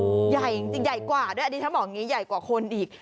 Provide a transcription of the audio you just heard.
โอ้โหใหญ่จริงใหญ่กว่าด้วยอันนี้เธอบอกใหญ่กว่าคนอีก